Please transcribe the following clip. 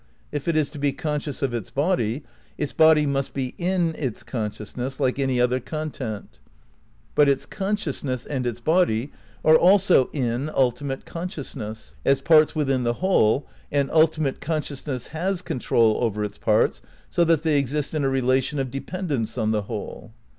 If it is to be conscious of its body, its body must be "in" its consciousness like any other con tent. But its consciousness and its body are also "in" ultimate consciousness, as parts within the whole and ultimate consciousness has control over its parts, so that they exist in a relation of dependence on the whole.